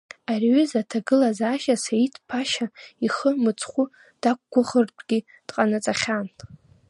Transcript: Ари аҩыза аҭагылазаашьа Саид Ԥашьа ихы мыцхәы дақәгәыӷыртәгьы дҟанаҵахьан.